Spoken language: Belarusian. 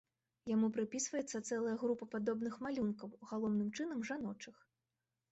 Яму прыпісваецца цэлая група падобных малюнкаў, галоўным чынам, жаночых.